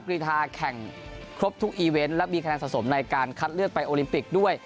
กรีธาแข่งครบทุกอีเวนต์และมีคะแนนสะสมในการคัดเลือกไปโอลิมปิกด้วย